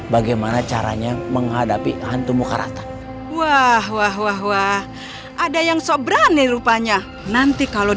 bagaimana caranya menghadapi hantu muka rata wah wah wah wah ada yang sob berani rupanya nanti kalau